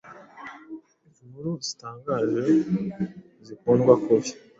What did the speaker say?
inkuru zitangaje zikundwa kubi